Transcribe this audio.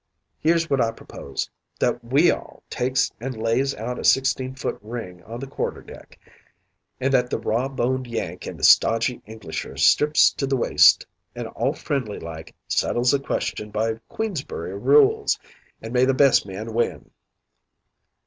Here's wot I propose that we all takes an' lays out a sixteen foot ring on the quarterdeck, an' that the raw boned Yank and the stodgy Englisher strips to the waist, an' all friendly like, settles the question by Queensbury rules an' may the best man win.'